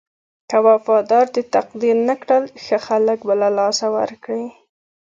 که وفادار دې تقدير نه کړل ښه خلک به له لاسه ورکړې.